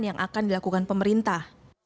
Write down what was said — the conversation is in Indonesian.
yang akan dilakukan pemerintah